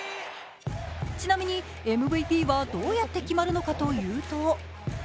ちなみに、ＭＶＰはどうやって決まるのかというと？